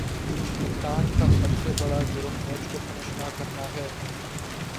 کپتان کا سب سے برا جرم میچ کو فنش نہ کرنا ہے